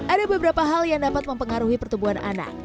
ada beberapa hal yang dapat mempengaruhi pertumbuhan anak